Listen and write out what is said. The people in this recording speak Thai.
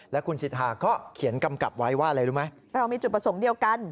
และคุณสิทธาก็เขียนกำกับไว้ว่าอะไรรู้ไหมเรามีจุดประสงค์เดียวกัน